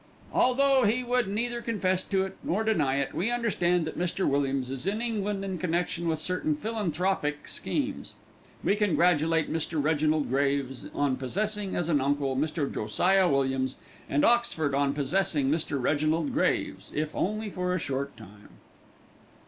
"Although he would neither confess nor deny it, we understand that Mr. Williams is in England in connection with certain philanthropic schemes. We congratulate Mr. Reginald Graves on possessing as an uncle Mr. Josiah Williams, and Oxford on possessing Mr. Reginald Graves, if only for a short time."